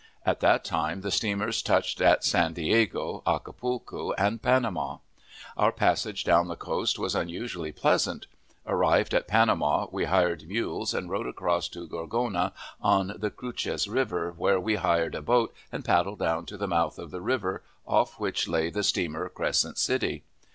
At that time the steamers touched at San Diego, Acapulco, and Panama. Our passage down the coast was unusually pleasant. Arrived at Panama, we hired mules and rode across to Gorgona, on the Cruces River, where we hired a boat and paddled down to the mouth of the river, off which lay the steamer Crescent City.